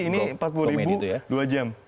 ini empat puluh dua jam